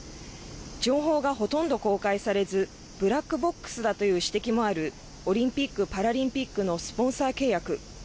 情報がほとんど公開されずブラックボックスだという指摘もあるオリンピック・パラリンピックのスポンサー契約。